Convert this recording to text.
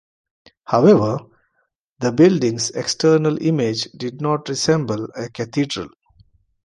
However, the building's external image did not resemble a cathedral.